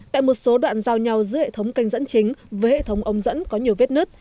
tại một số đoạn giao nhau giữa hệ thống canh dẫn chính với hệ thống ống dẫn có nhiều vết nứt